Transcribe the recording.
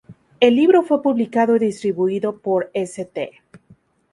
El libro fue publicado y distribuido por St.